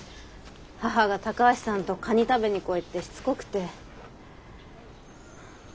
母が「高橋さんとカニ食べに来い」ってしつこくて。